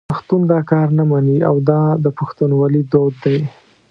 پښتون دا کار نه مني او دا د پښتونولي دود دی.